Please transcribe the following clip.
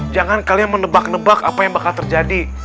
jangan kalian menebak nebak apa yang bakal terjadi